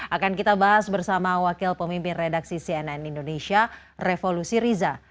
akan kita bahas bersama wakil pemimpin redaksi cnn indonesia revolusi riza